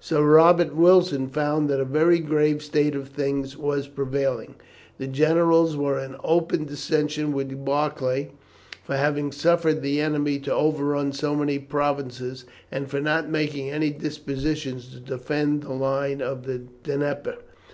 Sir Robert Wilson found that a very grave state of things was prevailing. The generals were in open dissension with Barclay for having suffered the enemy to overrun so many provinces, and for not making any dispositions to defend the line of the Dnieper.